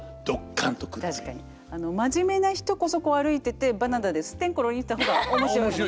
真面目な人こそこう歩いててバナナでスッテンコロリンした方が面白いですよね。